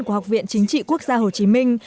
của học viện chính trị quốc gia hồ chí minh